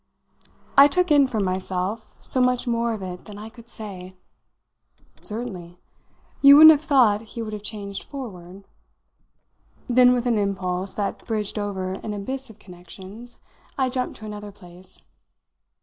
I took in, for myself, so much more of it than I could say! "Certainly. You wouldn't have thought he would have changed forward." Then with an impulse that bridged over an abyss of connections I jumped to another place.